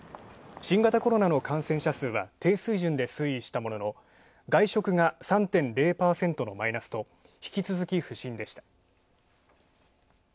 新型コロナの感染者数は低水準で推移したものの外食が３．０％のマイナスと引き続き不振でした。